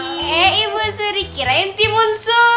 eee ibu suri kirain timun suri